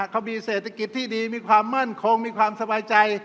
เขามีเศรษฐกิจที่ดีมีความมั่นคงมีความสบายใจ